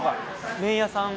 麺屋さん。